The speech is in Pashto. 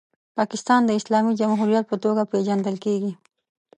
پاکستان د اسلامي جمهوریت په توګه پیژندل کیږي.